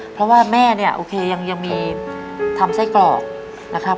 เพราะว่าแม่เนี่ยโอเคยังมีทำไส้กรอกนะครับ